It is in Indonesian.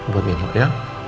buat nino ya